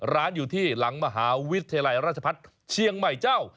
ร้านอยู่ที่หลังมหาวิทยาลัยราชพัฒน์เชียงใหม่เจ้า